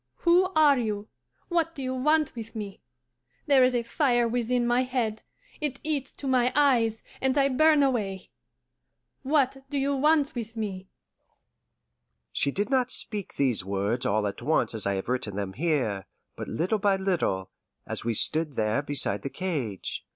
Who are you? What do you want with me? There is a fire within my head, it eats to my eyes, and I burn away. What do you want with me?'" She did not speak these words all at once as I have written them here, but little by little, as we stood there beside the cage.